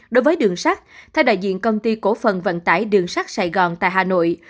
đối với đường sắt theo đại diện công ty cổ phần vận tải đường sắt sài gòn tại hà nội